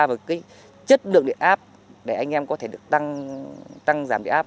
và cái chất lượng điện áp để anh em có thể được tăng tăng giảm điện áp